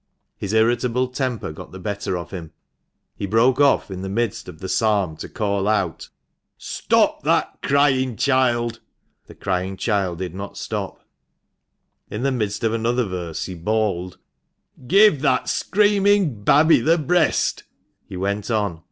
His irritable temper got the better of him. He broke off in the midst of the psalm to call out, " Stop that crying child !" The crying child did not stop. In the midst of another verse he bawled, " Give that screaming babby the breast !" He went on.